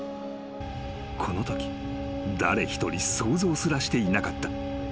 ［このとき誰一人想像すらしていなかった］